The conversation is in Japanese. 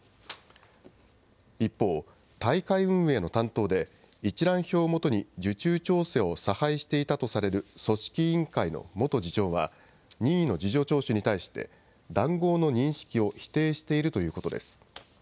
一方、大会運営の担当で、一覧表をもとに受注調整を差配していたとされる組織委員会の元次長は、任意の事情聴取に対して、談合の認識を否定しているということです。